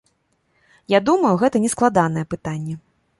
Я думаю, гэта нескладанае пытанне.